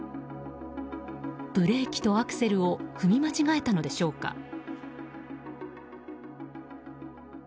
ブレーキとアクセルを踏み間違えたのでしょうか？